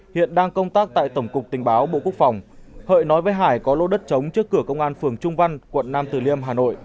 hiện đang công tác tại tổng cục tình báo bộ quốc phòng hội nói với hải có lỗ đất trống trước cửa công an phường trung văn quận năm từ liêm hà nội